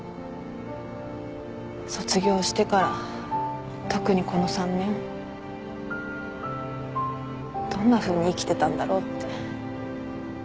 卒業してから特にこの３年どんなふうに生きてたんだろうって。